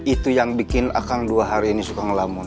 itu yang bikin akang dua hari ini suka ngelamun